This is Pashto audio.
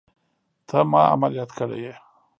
ته ما عمليات کړى يې.